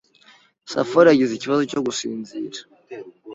Safari yagize ikibazo cyo gusinzira.